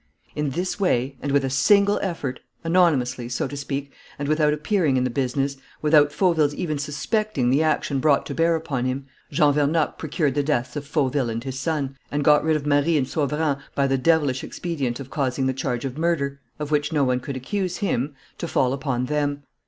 "In this way and with a single effort, anonymously, so to speak, and without appearing in the business, without Fauville's even suspecting the action brought to bear upon him, Jean Vernocq procured the deaths of Fauville and his son, and got rid of Marie and Sauverand by the devilish expedient of causing the charge of murder, of which no one could accuse him, to fall upon them.